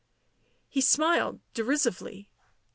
He smiled derisively.